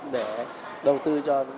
để đầu tư cho